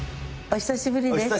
お久しぶりです